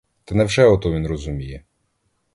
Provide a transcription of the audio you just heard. Та невже ото він розуміє?